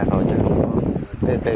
tháo ra thôi